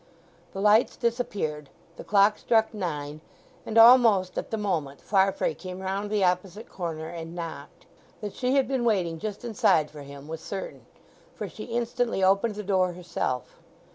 The lights disappeared, the clock struck nine, and almost at the moment Farfrae came round the opposite corner and knocked. That she had been waiting just inside for him was certain, for she instantly opened the door herself.